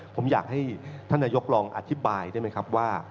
ผมอยากให้ท่านนายกลองอธิบายได้ไหมครับว่า